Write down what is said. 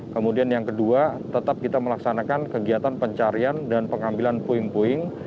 kemudian yang kedua tetap kita melaksanakan kegiatan pencarian dan pengambilan puing puing